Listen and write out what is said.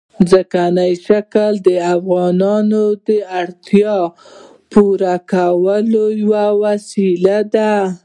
ځمکنی شکل د افغانانو د اړتیاوو د پوره کولو یوه وسیله ده.